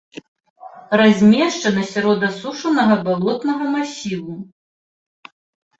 Размешчана сярод асушанага балотнага масіву.